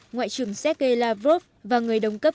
ngoại trưởng sergei lavrov và người đồng cấp